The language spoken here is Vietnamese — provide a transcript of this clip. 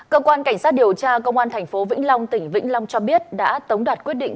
cơ quan cảnh sát điều tra công an tp vĩnh long tỉnh vĩnh long cho biết đã tống đạt quyết định